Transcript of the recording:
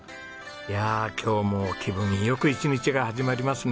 いやあ今日も気分良く一日が始まりますね。